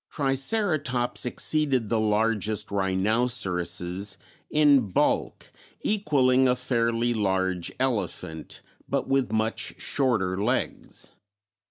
Triceratops exceeded the largest rhinoceroses in bulk, equalling a fairly large elephant, but with much shorter legs.